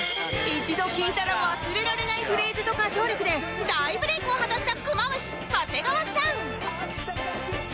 一度聴いたら忘れられないフレーズと歌唱力で大ブレイクを果たしたクマムシ長谷川さん